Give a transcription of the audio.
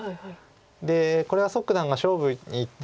でこれは蘇九段が勝負にいって。